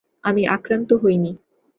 আমি আক্রান্ত হইনি।